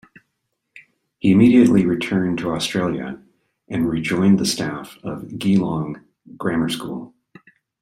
He immediately returned to Australia and rejoined the staff of Geelong Grammar School.